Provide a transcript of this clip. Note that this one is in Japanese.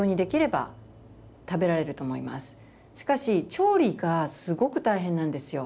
しかし調理がすごく大変なんですよ。